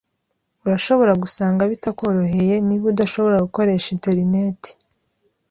Urashobora gusanga bitakoroheye niba udashobora gukoresha interineti.